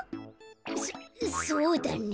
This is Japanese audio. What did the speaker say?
そそうだね。